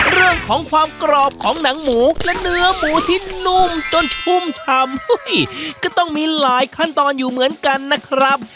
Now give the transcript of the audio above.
เรื่องของความกรอบของหนังหมูและเนื้อหมูที่นุ่มจนชุ่มฉ่ำก็ต้องมีหลายขั้นตอนอยู่เหมือนกันนะครับ